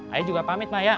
ayah juga pamit mak ya